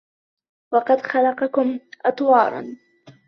وَقَد خَلَقَكُم أَطوارًا